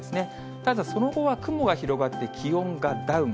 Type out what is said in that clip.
ただその後は雲が広がって、気温がダウン。